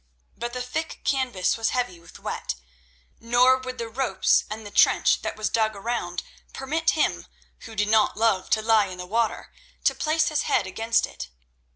But the thick canvas was heavy with wet, nor would the ropes and the trench that was dug around permit him, who did not love to lie in the water, to place his head against it.